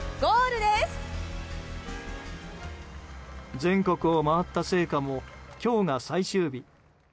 全国を回った聖火も今日が最終日。